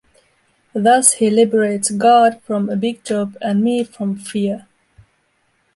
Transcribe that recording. Thus he liberates God from a big job and me from fear.